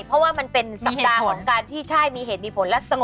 เรื่องเงิน